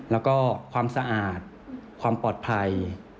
แล้วก็ความสะอาดความปลอดภัย